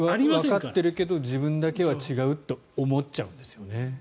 わかっているけど自分だけは違うって思っちゃうんですよね。